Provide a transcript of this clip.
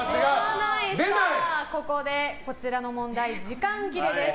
ここでこちらの問題は時間切れです。